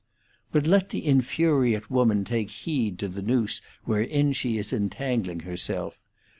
But let the infuriate woman take heed to the noose wherein she is entangling herself.